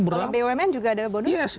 kalau bumn juga ada bonus